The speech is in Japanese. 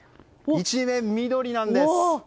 一面、緑なんです！